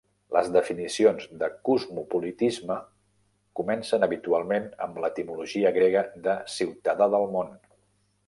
Les definicions de cosmopolitisme comencen habitualment amb l'etimologia grega de "ciutadà del món".